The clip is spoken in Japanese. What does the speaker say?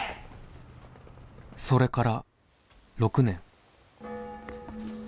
「それから６年」。